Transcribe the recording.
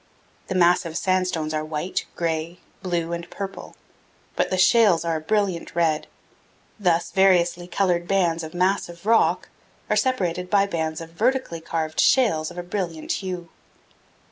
The massive sandstones are white, gray, blue, and purple, but the shales are a brilliant red; thus variously colored bands of massive rock are separated by bands of vertically carved shales of a brilliant hue.